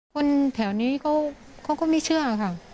คนแถวนี้เขาก็ไม่เชื่อค่ะ